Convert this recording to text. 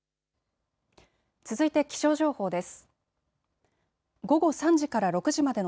続いて気象情報です。